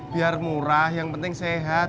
biar murah yang penting sehat